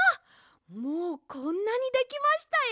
もうこんなにできましたよ。